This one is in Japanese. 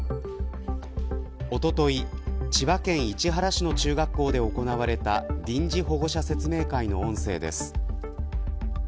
おととい、千葉県市原市の中学校で行われた臨時保護者説明会の音声です。